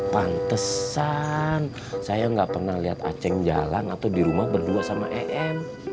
pantesan saya nggak pernah lihat aceng jalan atau di rumah berdua sama em